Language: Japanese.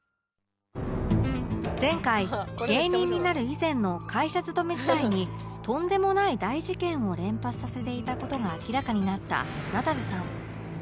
前回芸人になる以前の会社勤め時代にとんでもない大事件を連発させていた事が明らかになったナダルさん